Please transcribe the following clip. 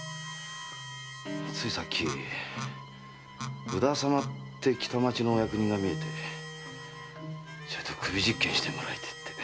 ついさっき宇田様って北町のお役人が見えてちょいと首実験してもらいたいって。